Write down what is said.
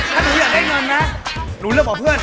ถ้าถ้าอยากได้เงินนะหนูเลือกหมอเพื่อน